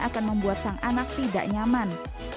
akan membuat sang anak tidak nyaman